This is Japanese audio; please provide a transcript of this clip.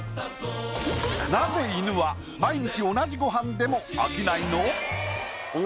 なぜ犬は毎日同じご飯でも飽きないの？